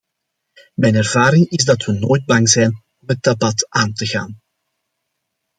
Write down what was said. Mijn ervaring is dat we nooit bang zijn om het debat aan te gaan.